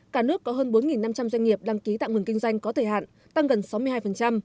cả nước có hơn bốn năm trăm linh doanh nghiệp đăng ký tạm ngừng kinh doanh có thời hạn tăng gần sáu mươi hai